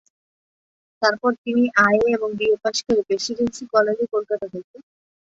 তারপর তিনি আইএ এবং বিএ পাশ করেন প্রেসিডেন্সি কলেজ, কলকাতা থেকে।